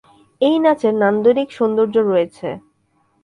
এই নাচের নান্দনিক সৌন্দর্য রয়েছে।